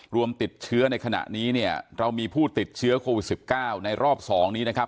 รวมติดเชื้อในขณะนี้เนี่ยเรามีผู้ติดเชื้อโควิด๑๙ในรอบ๒นี้นะครับ